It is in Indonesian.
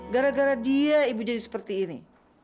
gara gara dia ibu jadi seperti ini